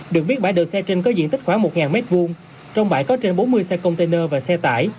được biết bãi đậu xe trên có diện tích khoảng một m hai trong bãi có trên bốn mươi xe container và xe tải